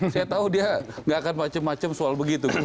saya tahu dia nggak akan macam macam soal begitu